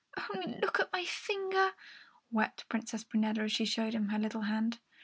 "Only look at my finger," wept Princess Prunella, as she showed him her little hand.